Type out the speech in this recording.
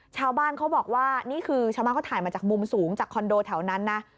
ชาวบ้านเขาบอกว่านี่คือชาวบ้านเขาถ่ายมาจากมุมสูงจากคอนโดแถวนั้นนะ